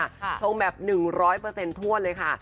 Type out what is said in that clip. ชงแบบ๑๐๐ทั่วเลยค่ะ